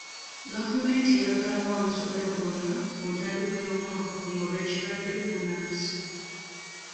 Gavumenti yaggalawo amasomero gonna ku ntandikwa y'omwaka guno olw'ekirwadde bbunansi.